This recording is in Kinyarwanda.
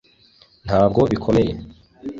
ntabwo bikomeye